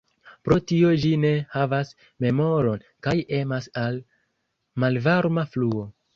Pro tio ĝi ne havas memoron, kaj emas al malvarma fluo.